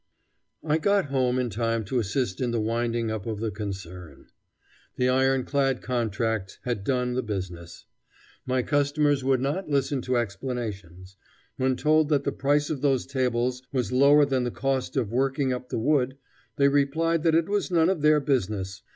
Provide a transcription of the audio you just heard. I got home in time to assist in the winding up of the concern. The iron clad contracts had done the business. My customers would not listen to explanations. When told that the price of those tables was lower than the cost of working up the wood, they replied that it was none of their business.